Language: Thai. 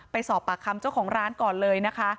ไปสอบปากคำเจ้าของร้านก่อนเลยนะคะ